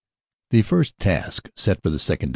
The first task set for the 2nd.